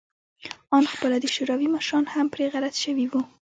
آن خپله د شوروي مشران هم پرې غلط شوي وو